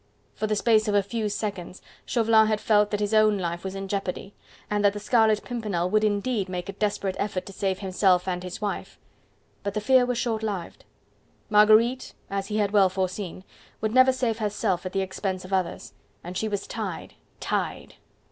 For the space of a few seconds Chauvelin had felt that his own life was in jeopardy, and that the Scarlet Pimpernel would indeed make a desperate effort to save himself and his wife. But the fear was short lived: Marguerite as he had well foreseen would never save herself at the expense of others, and she was tied! tied!